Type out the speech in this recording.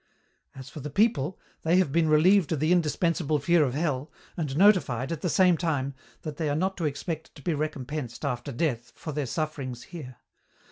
"As for the people, they have been relieved of the indispensable fear of hell, and notified, at the same time, that they are not to expect to be recompensed, after death, for their sufferings here.